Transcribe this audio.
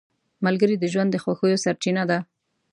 ملګری د ژوند د خوښیو سرچینه ده